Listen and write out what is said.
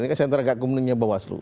ini kan sentra agak kumdu nya bawaslu